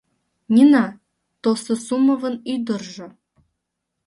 Нина — Толстосумовын ӱдыржӧ.